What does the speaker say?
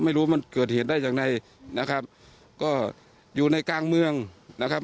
ไม่รู้มันเกิดเหตุได้อย่างไรนะครับก็อยู่ในกลางเมืองนะครับ